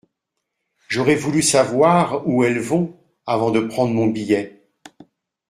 J’aurais voulu savoir où elles vont… avant de prendre mon billet…